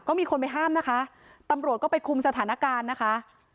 ก็มีคนไปห้ามนะคะตำรวจก็ไปคุมสถานการณ์นะคะ